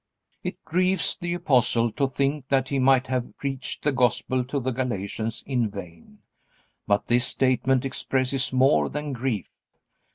It grieves the Apostle to think that he might have preached the Gospel to the Galatians in vain. But this statement expresses more than grief.